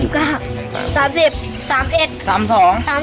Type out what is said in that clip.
๔๑ครับผม